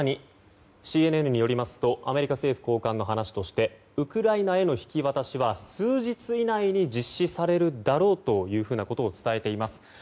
更に、ＣＮＮによりますとアメリカ政府高官の話としてウクライナへの引き渡しは数日以内に実施されるだろうということを伝えています。